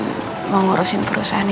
dan mau ngurusin perusahaan aku